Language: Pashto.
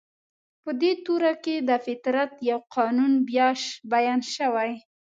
په دې تورو کې د فطرت يو قانون بيان شوی.